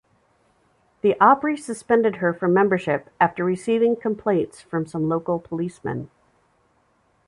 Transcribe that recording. The Opry suspended her from membership after receiving complaints from some local policemen.